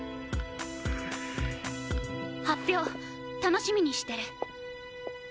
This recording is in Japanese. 発表楽しみにしてる。